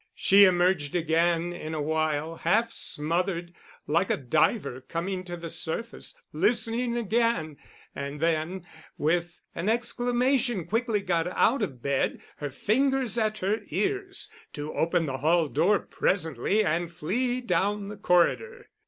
She emerged again in a while, half smothered, like a diver coming to the surface, listening again, and then with an exclamation quickly got out of bed, her fingers at her ears, to open the hall door presently and flee down the corridor.